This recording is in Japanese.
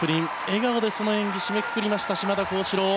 笑顔でその演技を締めくくりました、島田高志郎。